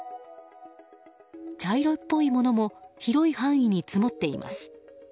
茶色っぽいものも広い範囲に積もっています。